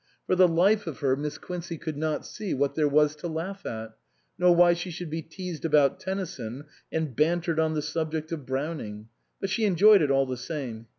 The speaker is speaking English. For the life of her Miss Quincey could not see what there was to laugh at, nor why she should be teased about Tennyson and bantered on the subject of Browning ; but she enjoyed it all the same.